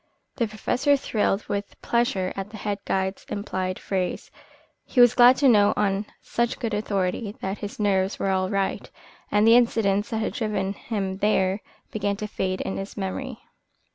The Professor thrilled with pleasure at the head guide's implied praise. He was glad to know on such good authority that his nerves were all right, and the incidents that had driven him there began to fade in his memory.